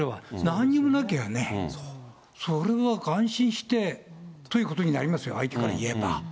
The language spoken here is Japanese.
なんにもなきゃね、それを安心してということになりますよ、相手からいえば。